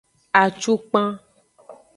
Acukpan.